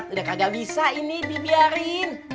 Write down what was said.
udah kagak bisa ini dibiarin